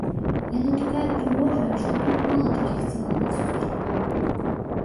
Яна такая прыгожая, што тут мала такіх цыганак сустракаю.